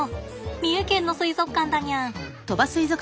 三重県の水族館だにゃん。